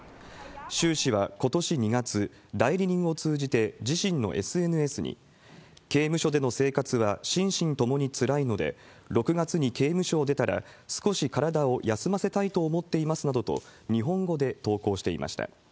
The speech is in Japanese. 周氏はことし２月、代理人を通じて自身のＳＮＳに、刑務所での生活は心身ともにつらいので、６月に刑務所を出たら、少し体を休ませたいと思っていますなどと、日本語で投稿していました。